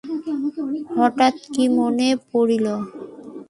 হঠাৎ কী মনে পড়িল।